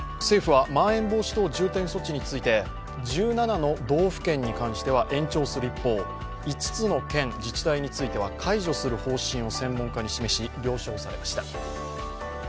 政府はまん延防止等重点措置について１７の道府県に関しては延長する一方、５つの県、自治体については解除する方針を専門家に示し、了承されました。